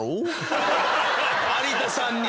有田さんに！